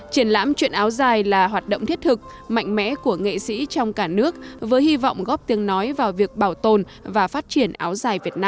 triển lãm chuyện áo dài là hoạt động thiết thực mạnh mẽ của nghệ sĩ trong cả nước với hy vọng góp tiếng nói vào việc bảo tồn và phát triển áo dài việt nam